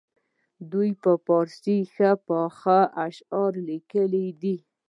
دوی په فارسي ښه پاخه اشعار لیکلي دي.